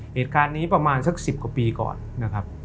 เหตุการณ์นี้ประมาณสัก๑๐กว่าปีก่อนนะครับ